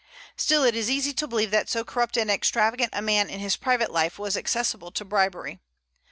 Still it is easy to believe that so corrupt and extravagant a man in his private life was accessible to bribery.